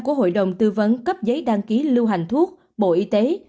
của hội đồng tư vấn cấp giấy đăng ký lưu hành thuốc bộ y tế